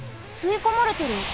すいこまれてる。